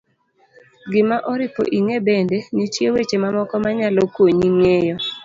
gima oripo ing'e bende, nitie weche mamoko ma nyalo konyi ng'eyo